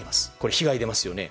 被害が出ますよね。